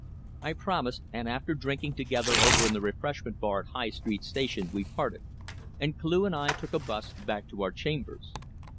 I promised, and after drinking together over in the refreshment bar at High Street Station we parted, and Cleugh and I took a bus back to our chambers.